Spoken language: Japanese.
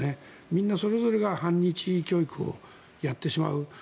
みんなそれぞれが反日教育をやってしまう。